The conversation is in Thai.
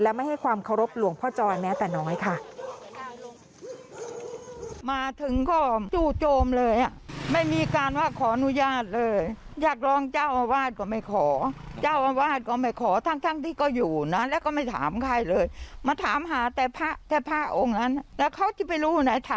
และไม่ให้ความเคารพหลวงพ่อจอยแม้แต่น้อยค่ะ